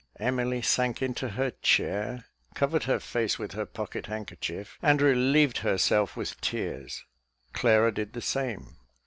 Emily sank into her chair, covered her face with her pocket handkerchief, and relieved herself with tears. Clara did the same.